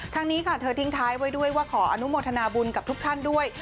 นี้ค่ะเธอทิ้งท้ายไว้ด้วยว่าขออนุโมทนาบุญกับทุกท่านด้วย